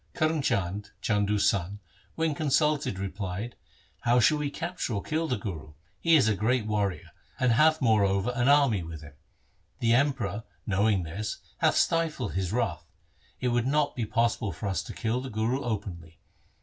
Karm Chand, Chandu's son, when consulted replied, ' How shall we capture or kill the Guru ? He is a great warrior, and hath moreover an army with him. The Emperor knowing this hath stifled his wrath. It would not be possible for us to kill the Guru openly.